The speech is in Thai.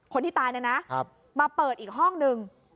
คนที่ตายเนี่ยนะมาเปิดอีกห้องนึง